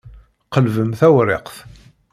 Qelbem tawṛiqt.